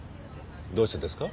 どうしてですか？